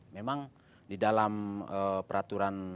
memang di dalam peraturan